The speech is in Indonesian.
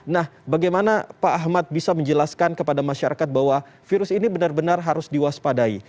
nah bagaimana pak ahmad bisa menjelaskan kepada masyarakat bahwa virus ini benar benar harus diwaspadai